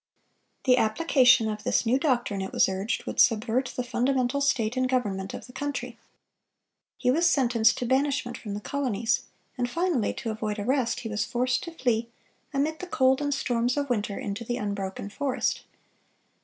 The application of this new doctrine, it was urged, would "subvert the fundamental state and government of the country."(443) He was sentenced to banishment from the colonies, and finally, to avoid arrest, he was forced to flee, amid the cold and storms of winter, into the unbroken forest.